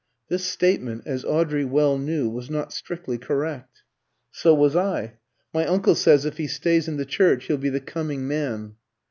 This statement, as Audrey well knew, was not strictly correct. "So was I. My uncle says if he stays in the church he'll be the coming man."